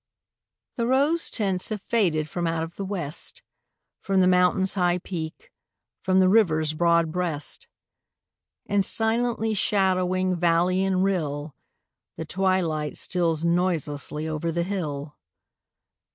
The rose tints have faded from out of the West, From the Mountain's high peak, from the river's broad breast. And, silently shadowing valley and rill, The twilight steals noiselessly over the hill.